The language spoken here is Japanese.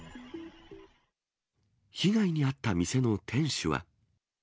被害に遭った店の店主は。